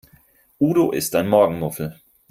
Udo ist ein Morgenmuffel.